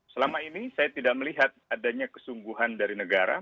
selama ini saya tidak melihat adanya kesungguhan dari negara